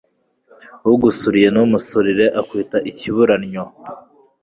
ugusuriye ntumusurire akwita ikiburannyo